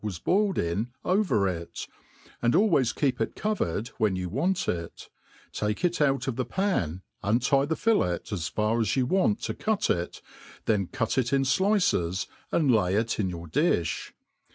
was boiled in over it, and always keep it covered when you want it ; take it out, of the pan, untie the fillet as far as you want to cut it ; then cut it in (lices^ and lay it in your diih.